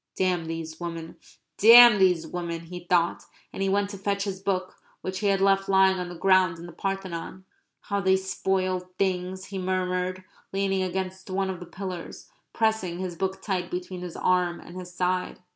"Damn these women damn these women!" he thought. And he went to fetch his book which he had left lying on the ground in the Parthenon. "How they spoil things," he murmured, leaning against one of the pillars, pressing his book tight between his arm and his side.